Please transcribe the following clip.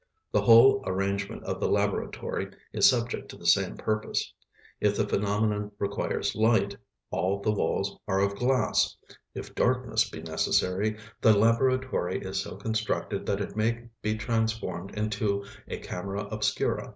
The whole arrangement of the laboratory is subject to the same purpose; if the phenomenon requires light, all the walls are of glass; if darkness be necessary, the laboratory is so constructed that it may be transformed into a camera obscura.